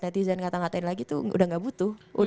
netizen kata ngatain lagi tuh udah gak butuh